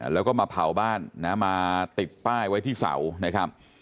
แล้วก็มาเผาบ้านนะมาติดป้ายไว้ที่เสานะครับ